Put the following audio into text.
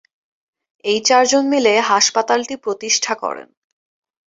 এই চারজন মিলে হাসপাতালটি প্রতিষ্ঠা করেন।